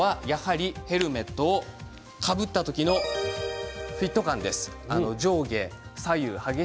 次のポイントはヘルメットをかぶった時のフィット感です。